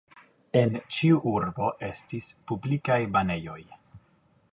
En ĉiu urbo estis publikaj banejoj.